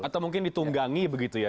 atau mungkin ditunggangi begitu ya